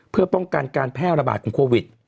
เพื่อป้องกันการแพร่ระบาดของโควิด